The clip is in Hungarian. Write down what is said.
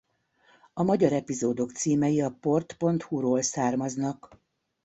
Az magyar epizódok címei a port.hu-ról származnak.